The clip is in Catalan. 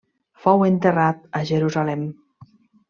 Fou enterrat a Jerusalem.